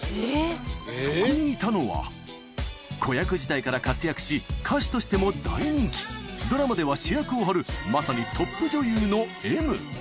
そこにいたのは、子役時代から活躍し、歌手としても大人気、ドラマでは主役を張る、まさにトップ女優のＭ。